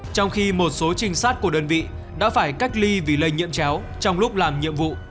trong khi một số trinh sát của đơn vị đã phải cách ly vì lây nhiễm chéo trong lúc làm nhiệm vụ